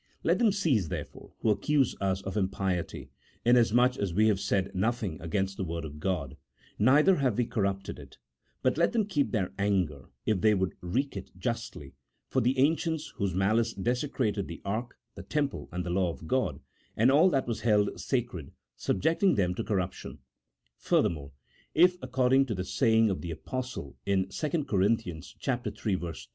Let them cease, therefore, who accuse us of impiety, inas much as we have said nothing against the Word of God, neither have we corrupted it, but let them keep their anger, if they would wreak it justly, for the ancients whose malice desecrated the Ark, the Temple, and the Law of God, and all that was held sacred, subjecting them to corruption. Fur CHAP. XII.] OP THE SACREDNESS OF SCRIPTURE. 169 thermore, if, according to the saving of the Apostle in 2 Cor. iii.